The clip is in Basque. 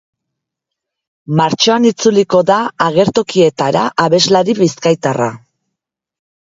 Martxoan itzuliko da agertokietara abeslari bizkaitarra.